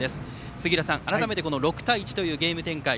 杉浦さん、改めて６対１というゲーム展開。